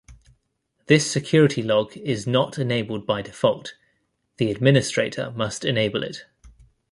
This security log is not enabled by default; the administrator must enable it.